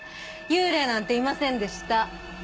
幽霊なんていませんでした！